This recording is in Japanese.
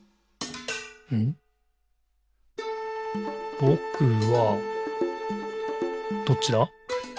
「ぼくは、」どっちだ？